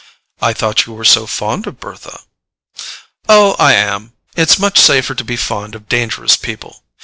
"I thought you were so fond of Bertha." "Oh, I am—it's much safer to be fond of dangerous people.